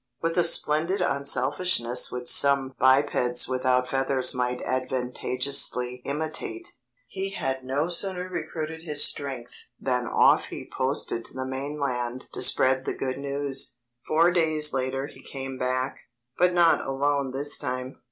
With a splendid unselfishness which some bipeds without feathers might advantageously imitate, he had no sooner recruited his strength than off he posted to the mainland to spread the good news. Four days later he came back, but not alone this time.